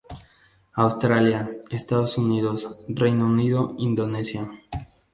Australia, Estados Unidos, Reino Unido, Indonesia.